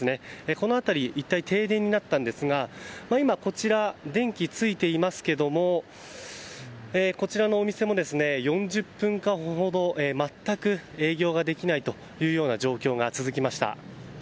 この辺り一帯停電になりましたが今、こちらは電気がついていますがこちらのお店も４０分間ほど全く営業ができない状況が続きました。